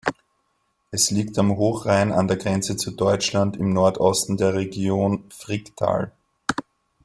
Es liegt am Hochrhein an der Grenze zu Deutschland, im Nordosten der Region Fricktal.